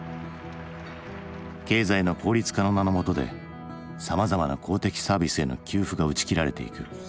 経済の効率化の名のもとでさまざまな公的サービスへの給付が打ち切られていく。